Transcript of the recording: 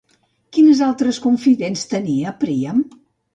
Quins altres confidents tenia, Príam?